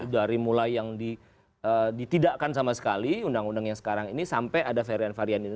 dari mulai yang ditidakkan sama sekali undang undang yang sekarang ini sampai ada varian varian itu